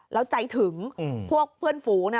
แล้วใจถึงพวกเพื่อนฝูงนะ